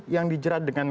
yang dijerat dengan